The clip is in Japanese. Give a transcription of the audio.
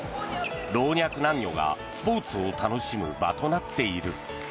老若男女がスポーツを楽しむ場となっている。